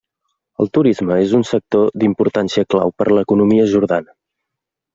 El turisme és un sector d'importància clau per a l'economia jordana.